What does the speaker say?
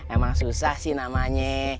emang susah sih namanya